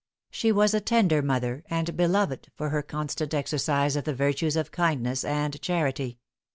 She was a tender mother, and beloved for her constant exercise of the virtues of kindness and charity.